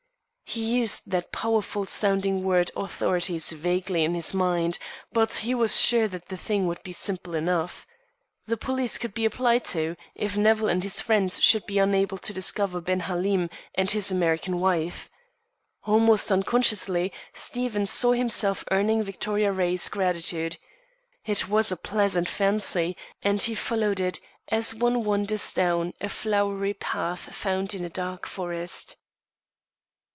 He used that powerful sounding word "authorities" vaguely in his mind, but he was sure that the thing would be simple enough. The police could be applied to, if Nevill and his friends should be unable to discover Ben Halim and his American wife. Almost unconsciously, Stephen saw himself earning Victoria Ray's gratitude. It was a pleasant fancy, and he followed it as one wanders down a flowery path found in a dark forest.